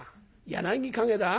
『柳陰』だ？